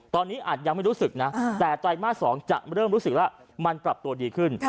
ตอนนี้อาจยังไม่รู้สึกแต่ตรณ์มาสสองยับเรื่องรู้สึกและปรับตัวดีขึ้น